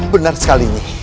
benar sekali nyik